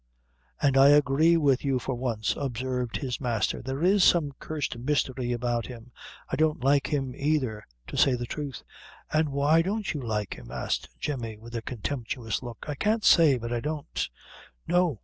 "And I agree with you for once," observed his master; "there is some cursed mystery about him. I don't like him, either, to say the truth." "An' why don't you like him?" asked Jemmy, with a contemptuous look. "I can't say; but I don't." "No!